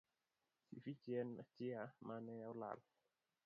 Sifichi en chia mane olal.